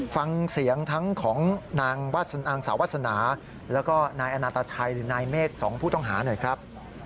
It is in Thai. ฟังเสียงทั้งของนางสาววาสนาแล้วก็นายอนาตาชัยหรือนายเมฆ๒ผู้ต้องหาหน่อยครับ